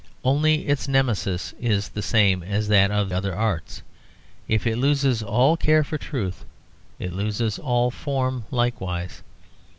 Only its Nemesis is the same as that of other arts: if it loses all care for truth it loses all form likewise.